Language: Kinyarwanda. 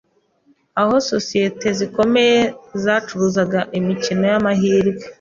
aho sosiyete zikomeye zacuruzaga imikino y’amahirwe